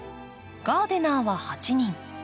ガーデナーは８人。